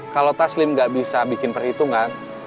kalau taslim nggak bisa bikin perhitungan